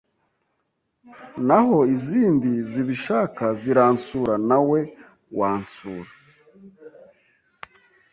naho izindi zibishaka ziransura nawe wansura